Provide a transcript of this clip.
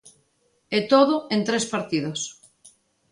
E todo en tres partidos.